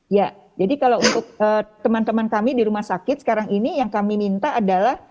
ya jadi kalau untuk teman teman kami di rumah sakit sekarang ini yang kami minta adalah